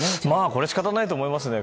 これは仕方ないと思いますね。